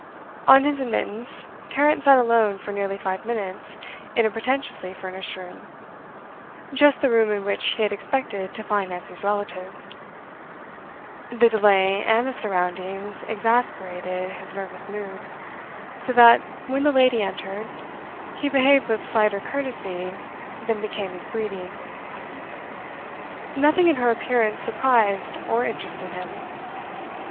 On his admittance, Tarrant sat alone for nearly five minutes in a pretentiously furnished room just the room in which he had expected to find Nancy's relative; the delay and the surroundings exasperated his nervous mood, so that, when the lady entered, he behaved with slighter courtesy than became his breeding. Nothing in her appearance surprised or interested him.